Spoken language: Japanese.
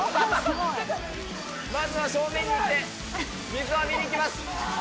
まずは正面に行って水浴びに行きます。